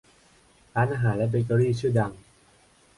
ร้านอาหารและเบเกอรี่ชื่อดัง